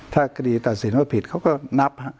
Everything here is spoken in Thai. ถ้าคดีตัดสินว่าผิดเขาก็นับ